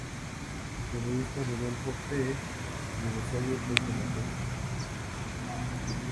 El Congresista Rodolfo P. del Rosario fue el promotor.